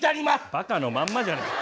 バカのまんまじゃねえか！